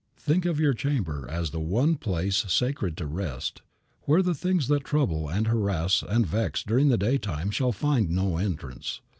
Think of your chamber as the one place sacred to rest, where the things that trouble and harass and vex during the daytime shall find no entrance.